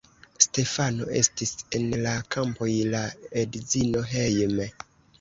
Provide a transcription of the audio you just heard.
Stefano estis en la kampoj, la edzino hejme.